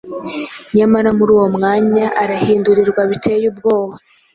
Nyamara muri uwo mwanya arahindurirwa biteye ubwoba.